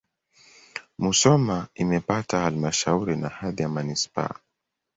Musoma imepata halmashauri na hadhi ya manisipaa.